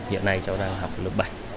hiện nay cháu đang học lớp bảy